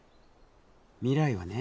未来はね